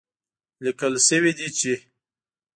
ليکل شوي دي چې